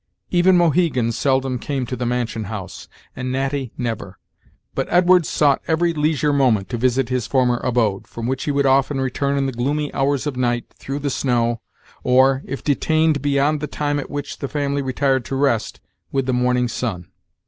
Even Mohegan seldom came to the mansion house, and Natty never; but Edwards sought every leisure moment to visit his former abode, from which he would often return in the gloomy hours of night through the snow, or, if detained beyond the time at which the family retired to rest, with the morning sun.